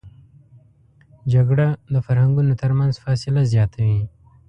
جګړه د فرهنګونو تر منځ فاصله زیاتوي